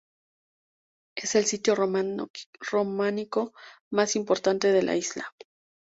Es el sitio románico más importante de la isla.